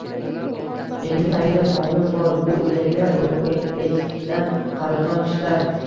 Endi tayinli hovlim bor, bu uydagilar o‘zimga eskitdan qadrdon kishilar